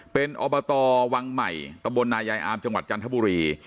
เป็นอบตวังใหม่ตะบลนายายอามจังหวัดจันทบุรี